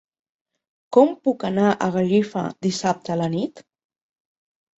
Com puc anar a Gallifa dissabte a la nit?